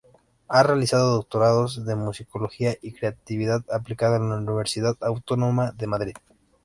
Ha realizado doctorados de Musicología y Creatividad Aplicada en la Universidad Autónoma de Madrid.